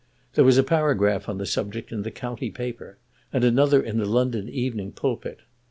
There was a paragraph on the subject in the County paper, and another in the London "Evening Pulpit."